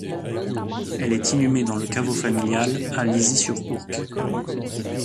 Elle est inhumée dans le caveau familial à Lizy-sur-Ourcq.